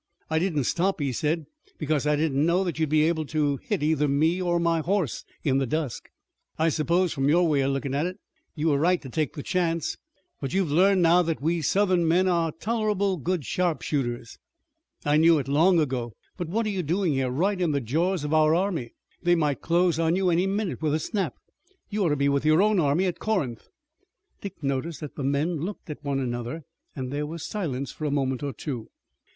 "I didn't stop," he said, "because I didn't know that you would be able to hit either me or my horse in the dusk." "I s'pose from your way of lookin' at it you was right to take the chance, but you've learned now that we Southern men are tol'able good sharpshooters." "I knew it long ago, but what are you doing here, right in the jaws of our army? They might close on you any minute with a snap. You ought to be with your own army at Corinth." Dick noticed that the men looked at one another, and there was silence for a moment or two.